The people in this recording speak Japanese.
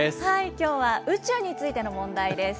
きょうは宇宙についての問題です。